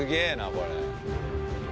これ。